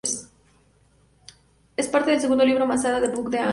Es parte del segundo libro Masada, "The Book of Angels".